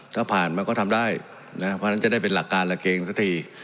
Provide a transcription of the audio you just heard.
ถ้าผ่านมันก็ทำได้นะเพราะฉะนั้นจะได้เป็นหลักการละเกงสักที